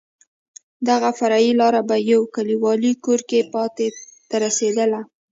دغه فرعي لار په یو کلیوالي کور کې پای ته رسېدل.